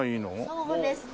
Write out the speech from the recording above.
そうですね